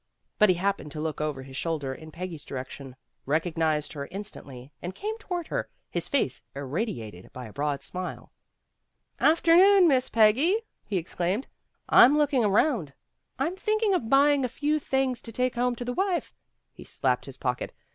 But he happened to look over his shoulder in Peggy's direction, recognized her instantly, and came toward her, his face irradiated by a broad smile. "Afternoon, Miss Peggy," he exclaimed. "I'm looking around. I'm thinking of buying a few little things to take home to the wife." He slapped his pocket.